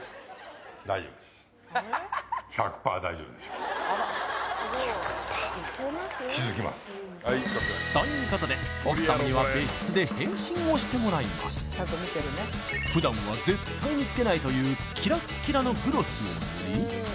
大丈夫です気付きますということで奥さんには別室で変身をしてもらいますふだんは絶対につけないというキラッキラのグロスを塗り